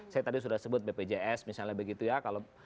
saya tadi sudah sebut bpjs misalnya begitu ya